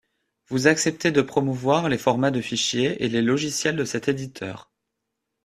Vous acceptez de promouvoir les formats de fichiers et les logiciels de cet éditeur.